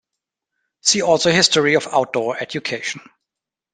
See also History of outdoor education.